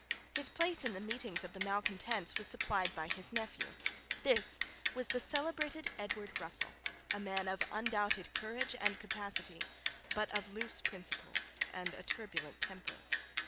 His place in the meetings of the malecontents was supplied by his nephew. This was the celebrated Edward Russell, a man of undoubted courage and capacity, but of loose principles and turbulent temper.